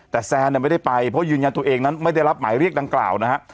แต่แซนไม่ได้ไปเพราะยืนยันตัวเองนั้นไม่ได้รับหมายเรียกดังกล่าวนะฮะ